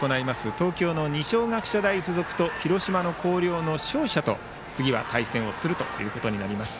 東京の二松学舎大付属と広島の広陵の勝者と対戦することになります。